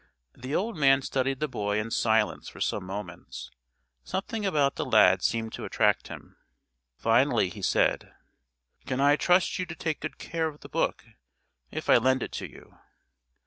The old man studied the boy in silence for some moments; something about the lad seemed to attract him. Finally he said: "Can I trust you to take good care of the book if I lend it to you?"